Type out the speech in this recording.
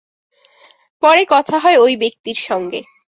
পরে কথা হয় ওই ব্যক্তির সঙ্গে।